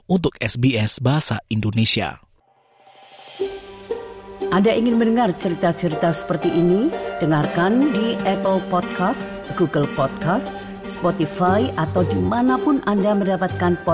untuk sbs bahasa indonesia